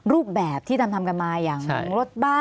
รูปแบบที่ทำกันมาอย่างรถบ้า